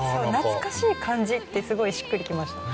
懐かしい感じってすごいしっくりきました。